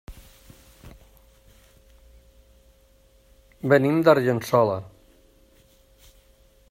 Venim d'Argençola.